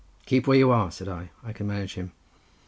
"'Keep where you are,' said I, 'I can manage him.